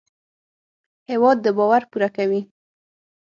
هېواد د باور پوره کوي.